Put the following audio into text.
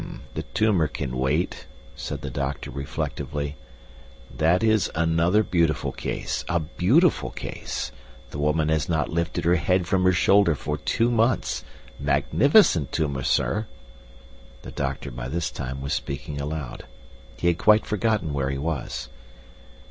"The tumor can wait," said the doctor reflectively. "That is another beautiful case a beautiful case! The woman has not lifted her head from her shoulder for two months magnificent tumor, sir!" The doctor by this time was speaking aloud. He had quite forgotten where he was.